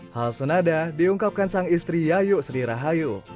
hal senada diungkapkan sang istri yayu sri rahayu